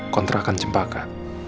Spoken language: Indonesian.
kontrakan jempa kan